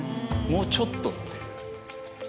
もうちょっとっていう。